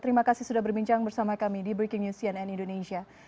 terima kasih sudah berbincang bersama kami di breaking news cnn indonesia